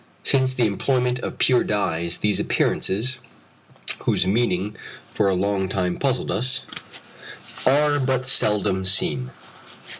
Since the employment of pure dyes these appearances, whose meaning for a long time puzzled us, are but seldom seen.